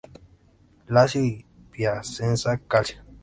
Lazio y Piacenza Calcio.